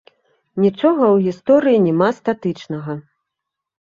Нічога ў гісторыі няма статычнага.